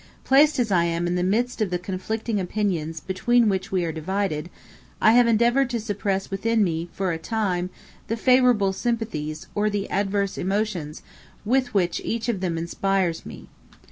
Placed as I am in the midst of the conflicting opinions between which we are divided, I have endeavored to suppress within me for a time the favorable sympathies or the adverse emotions with which each of them inspires me.